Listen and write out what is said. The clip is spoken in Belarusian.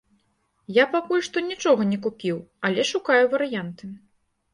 Я пакуль што нічога не купіў, але шукаю варыянты.